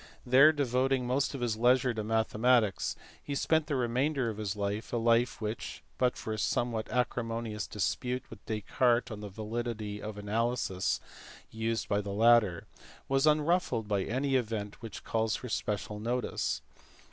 There, devoting most of his leisure to mathematics, he spent the remainder of his life a life which, but for a somewhat acrimonious dispute with Descartes on the validity of analysis used by the latter, was unruffled by any event which calls for special notice.